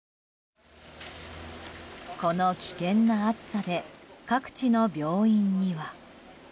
この危険な暑さで各地の病院には。